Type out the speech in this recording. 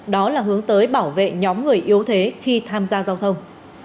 đó là hướng tới bảo vệ nhóm người yếu thế khi tham gia giao thông